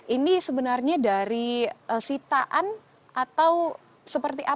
ini sebenarnya dari sitaan atau seperti apa